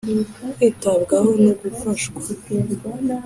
Kwitabwaho no gufashwa